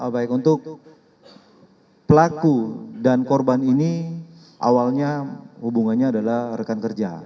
baik untuk pelaku dan korban ini awalnya hubungannya adalah rekan kerja